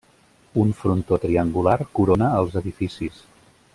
Un frontó triangular corona els edificis.